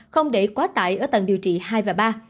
không để quá tải ở tầng điều trị hai và ba